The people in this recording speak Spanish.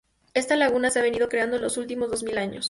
Esta laguna se ha venido creando en los últimos dos mil años